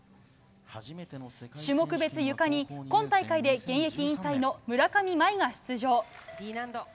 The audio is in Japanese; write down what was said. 種目別ゆかに今大会で現役引退の村上茉愛が出場。